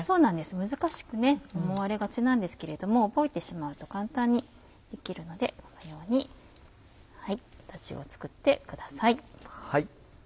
難しく思われがちなんですけれども覚えてしまうと簡単にできるのでこのように形を作ってください。